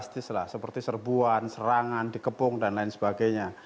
seperti serbuan serangan dikepung dan lain sebagainya